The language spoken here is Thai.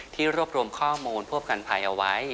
ที่รวบรวมข้อมูลผู้เอาประกันภัยเอาไว้